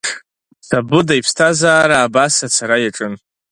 Сабыда иԥсҭазаара абас ацара иаҿын.